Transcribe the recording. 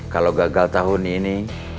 kalau gagal tahun ini